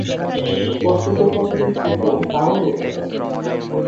কর্তব্য পালনের যে জ্ঞান তা-ও এদের আছে।